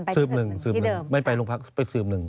ไปที่สืบหนึ่งที่เดิมไม่ไปลงพักไปสืบหนึ่ง